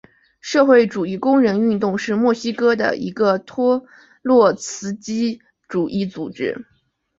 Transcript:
社会主义工人运动是墨西哥的一个托洛茨基主义组织。